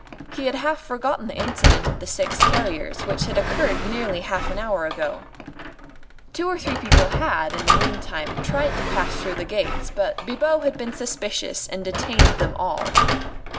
He had half forgotten the incident of the six carriers, which had occurred nearly half an hour ago. Two or three other people had, in the meanwhile, tried to pass through the gates, but Bibot had been suspicious and had detained them all.